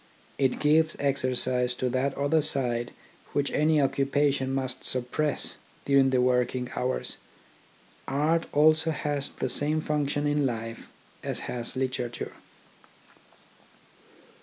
It gives exercise to that other side which any occupation must suppress during the working hours. Art also has the same function in life as has literature.